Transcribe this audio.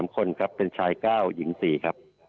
๓คนครับเป็นชาย๙หญิง๔ครับ